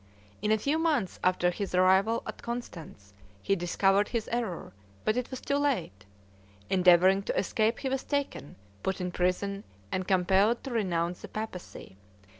In a few months after his arrival at Constance he discovered his error, but it was too late; endeavoring to escape, he was taken, put into prison, and compelled to renounce the papacy.